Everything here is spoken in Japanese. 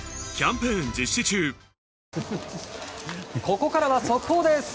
ここからは速報です。